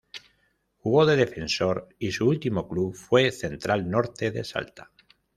Jugó de defensor y su último club fue Central Norte de Salta.